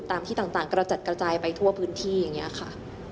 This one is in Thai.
ที่ต่างกระจัดกระจายไปทั่วพื้นที่อย่างนี้ค่ะ